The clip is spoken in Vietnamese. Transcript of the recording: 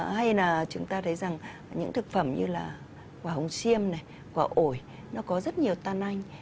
hay là chúng ta thấy rằng những thực phẩm như là quả hồng xiêm này quả ổi nó có rất nhiều tan anh